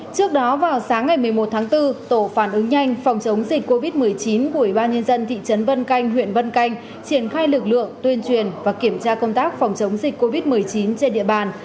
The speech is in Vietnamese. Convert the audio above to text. trước đó vào sáng ngày một mươi một tháng bốn tổ phản ứng nhanh phòng chống dịch covid một mươi chín của ủy ban nhân dân thị trấn vân canh huyện vân canh triển khai lực lượng tuyên truyền và kiểm tra công tác phòng chống dịch covid một mươi chín trên địa bàn